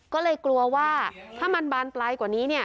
ก็เลยกลัวว่าถ้ามันบานปลายกว่านี้เนี่ย